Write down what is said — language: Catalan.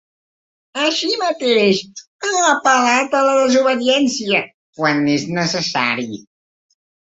Així mateix, ha apel·lat a la desobediència ‘quan és necessari’.